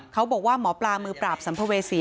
เขาบอกว่าหมอปลามือปราบสัมภเวษี